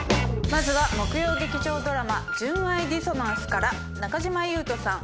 まずは木曜劇場ドラマ『純愛ディソナンス』から中島裕翔さん